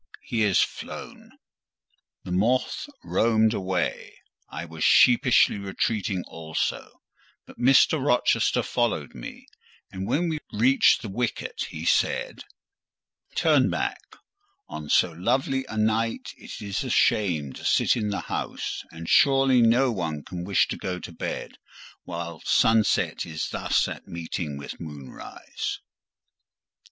he is flown." The moth roamed away. I was sheepishly retreating also; but Mr. Rochester followed me, and when we reached the wicket, he said— "Turn back: on so lovely a night it is a shame to sit in the house; and surely no one can wish to go to bed while sunset is thus at meeting with moonrise."